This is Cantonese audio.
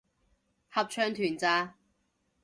合唱團咋